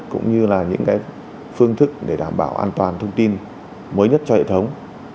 cũng như là những phương thức để đảm bảo an toàn thông tin mới nhất cho hệ thống